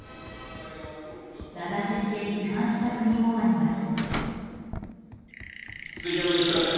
名指しして批判した国もあります。